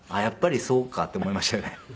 やっぱりそうかって思いましたよね。